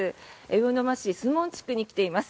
魚沼市守門地区に来ています。